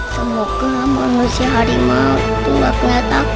semoga manusia harimau itu tidak kena takut